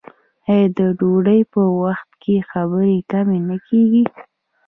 آیا د ډوډۍ په وخت کې خبرې کمې نه کیږي؟